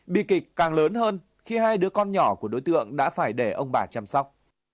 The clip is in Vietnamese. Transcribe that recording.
bi kịch càng lớn hơn khi hai đứa con nhỏ của đối tượng đã phải để ông bà chăm sóc